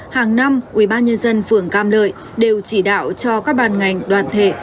hàng năm ubnd phường cam lợi đều chỉ đạo cho các bàn ngành đoàn thể